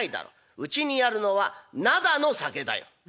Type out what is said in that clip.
うちにあるのは灘の酒だよ」。